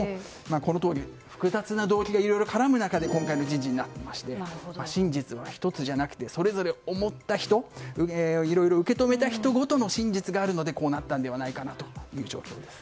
このとおり、複雑な動機がいろいろ絡む中で今回の人事になっていまして真実は１つではなくてそれぞれに思った人いろいろ受け止めた人ごとの真実があるのでこうなったのではないかなという状況です。